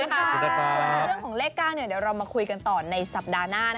เรื่องของเลข๙เดี๋ยวเรามาคุยกันต่อในสัปดาห์หน้า